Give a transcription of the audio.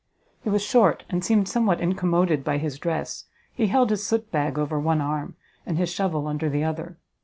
He was short, and seemed somewhat incommoded by his dress; he held his soot bag over one arm, and his shovel under the other.